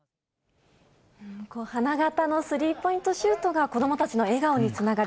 花形のスリーポイントシュートが子どもたちの笑顔につながる。